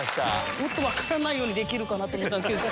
もっと分からないようできるかと思ったんですけど。